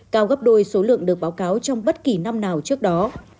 cao gấp đôi số lượng được báo cáo trong bất kỳ năm nào trước đó